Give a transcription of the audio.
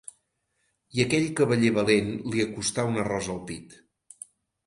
I aquell cavaller valent li acostà una rosa al pit.